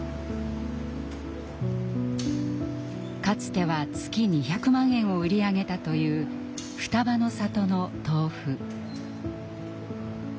かつては月２００万円を売り上げたというふたばの里の豆腐。